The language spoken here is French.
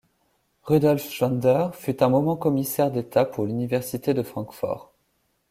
Rudolf Schwander fut un moment commissaire d'État pour l'université de Francfort.